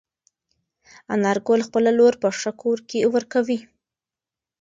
انارګل خپله لور په ښه کور کې ورکوي.